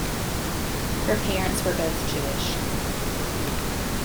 Her parents were both Jewish.